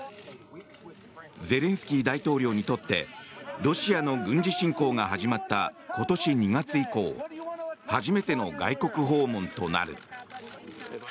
ゼレンスキー大統領にとってロシアの軍事侵攻が始まった今年２月以降初めての外国訪問となる。